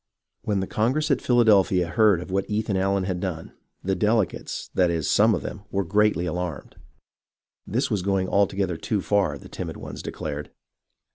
When the Congress at Philadelphia heard of what Ethan Allen had done, the delegates, that is, some of them, were greatly alarmed. This was going altogether too far, the timid ones declared.